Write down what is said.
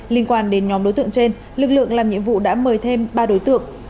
liên quan đến nhóm đối tượng trên lực lượng làm nhiệm vụ đã mời thêm ba đối tượng